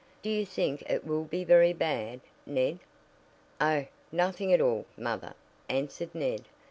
"Do you think it will be very bad, Ned?" "Oh, nothing at all, mother," answered Ned.